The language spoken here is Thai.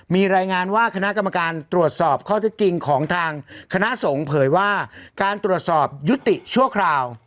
มีรายงานว่าคณะกรรมการตรวจสอบข้อเท็จจริงของทางคณะสงฆ์เผยว่าการตรวจสอบยุติชั่วคราว